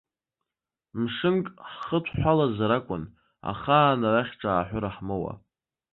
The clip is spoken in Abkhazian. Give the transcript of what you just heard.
Мшынк ҳхыҭәҳәалазар акәын, ахаан арахь ҿааҳәыра ҳмоуа.